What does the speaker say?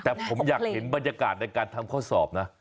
แต่ผมอยากเห็นบรรยากาศในการทำข้อสอบนะ